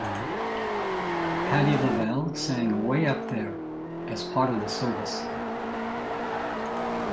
Patti LaBelle sang "Way Up There" as part of the service.